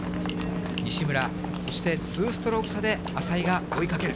西村、そして２ストローク差で淺井が追いかける。